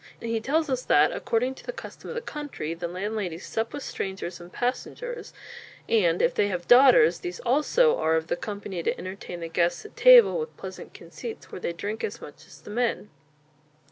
He tells us that according to the custom of the country the landladies sup with strangers and passengers, and if they have daughters, these also are of the company to entertain the guests at table with pleasant conceits where they drink as much as the men.